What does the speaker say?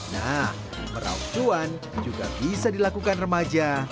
nah merauk cuan juga bisa dilakukan remaja